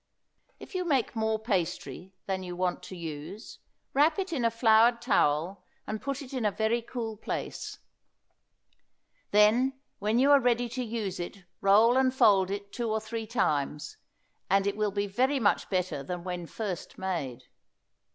If you make more pastry than you want to use, wrap it in a floured towel and put it in a very cool place; then when you are ready to use it roll and fold it two or three times, and it will be very much better than when first made.